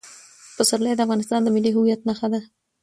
پسرلی د افغانستان د ملي هویت نښه ده.